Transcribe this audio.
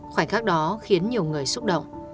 khoảnh khắc đó khiến nhiều người xúc động